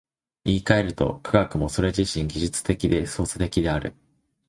言い換えると、科学もそれ自身技術的で操作的である。